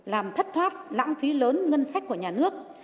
làm thất thoát lãng phí lớn ngân sách của nhà nước